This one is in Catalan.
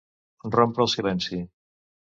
Rompre el silenci.